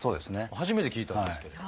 初めて聞いたんですけれど。